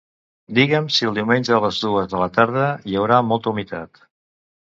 Digue'm si diumenge a les dues de la tarda hi haurà molta humitat.